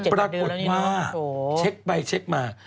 ปรากฏว่าเช็คไปเช็คมา